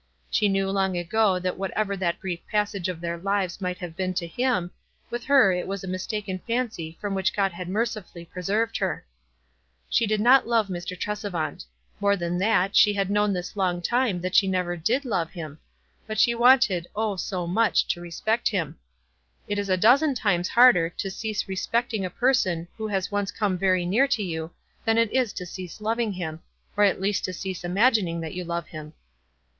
She knew long ago that whatever that brief passage in their lives might have been to him, with her it was a mis taken fancy from which God had mercifully pre served her. She did not love Mr. Tresevant ; more than that, she had known this long time that she never did love him ; but she wanted, oh, so much, to respect him. It is a dozen times harder to cease respecting a person who has once come very near to you, than it is to cease loving him, or at least to cease imagining that you love him.